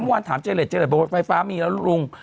เมื่อวานถามเจเลสเจรสบอกว่าไฟฟ้ามีแล้วลุง